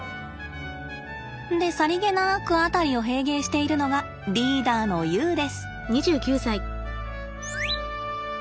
でさりげなく辺りをへいげいしているのがリーダーのユウです。